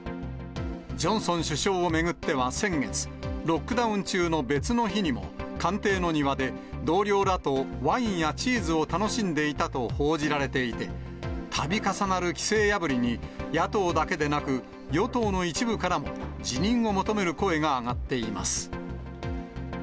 ジョンソン首相を巡っては先月、ロックダウン中の別の日にも、官邸の庭で同僚らとワインやチーズを楽しんでいたと報じられていて、たび重なる規制破りに野党だけでなく、与党の一部からも、辞任を求める声が上がっています。